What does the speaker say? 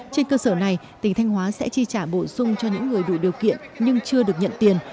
trên cơ sở này tỉnh thanh hóa sẽ chi trả bổ sung cho những người đủ điều kiện nhưng chưa được nhận tiền